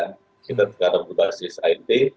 kita tergantung ke basis it